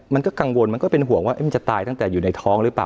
มันก็กังวลมันก็เป็นห่วงว่ามันจะตายตั้งแต่อยู่ในท้องหรือเปล่า